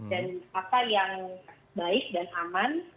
dan apa yang baik dan aman